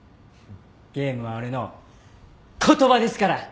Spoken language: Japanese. ゲームは俺の言葉ですから！